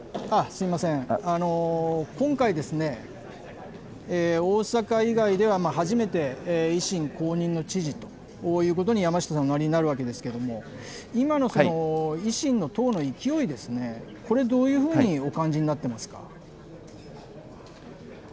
すみません、今回、大阪以外では初めて、維新公認の知事ということに、山下さん、おなりになるわけですけれども、今の維新の党の勢いですね、これ、どういうふうにお感じになってますか。